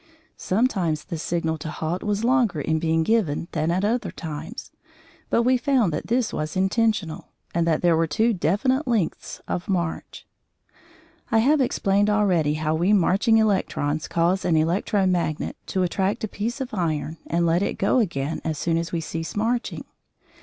Sometimes the signal to halt was longer in being given than at other times, but we found that this was intentional, and that there were two definite lengths of march. I have explained already how we marching electrons cause an electro magnet to attract a piece of iron and let it go again as soon as we cease marching.